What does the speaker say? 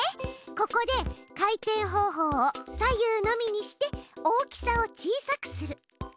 ここで「回転方法を左右のみ」にして大きさを小さくする。